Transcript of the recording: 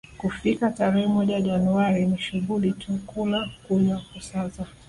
kufika tarehe moja Januari ni shughuli tu kula kunywa kusaza